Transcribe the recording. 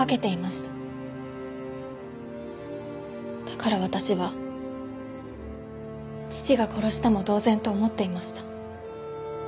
だから私は父が殺したも同然と思っていました。